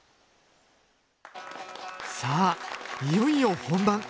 さあいよいよ本番。